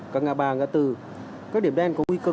các ngã ba ngã từ các điểm đen có nguy cơ